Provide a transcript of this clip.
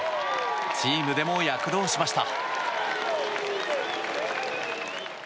チームでも躍動しました。